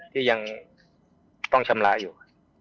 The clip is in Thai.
ที่ยังต้องชำระอยู่